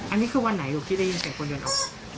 อันนี้คือวันไหนลูกที่ได้ยินเสียงคนเดินออก